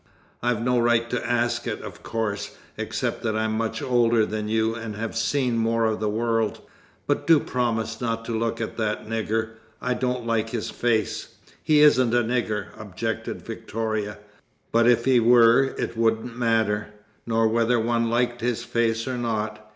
"I've no right to ask it, of course, except that I'm much older than you and have seen more of the world but do promise not to look at that nigger. I don't like his face." "He isn't a nigger," objected Victoria. "But if he were, it wouldn't matter nor whether one liked his face or not.